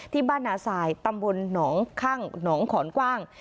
ที่บ้านนาซายตำบลหนองข้างหนองขอนกว้าง